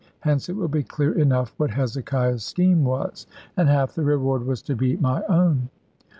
Hence it will be clear enough what Hezekiah's scheme was; and half the reward was to be my own.